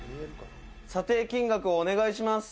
「査定金額をお願いします」